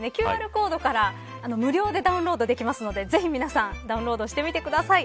ＱＲコードから無料でダウンロードできますのでぜひ皆さんダウンロードしてみてください。